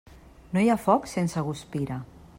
No hi ha foc sense guspira.